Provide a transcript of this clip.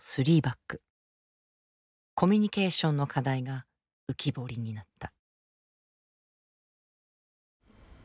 コミュニケーションの課題が浮き彫りになった。